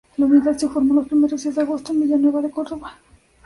La unidad se formó en los primeros días de agosto en Villanueva de Córdoba.